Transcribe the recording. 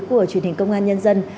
của truyền hình công an nhân dân